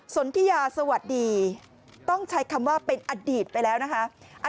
สนทิยาสวัสดีต้องใช้คำว่าเป็นอดีตไปแล้วนะคะ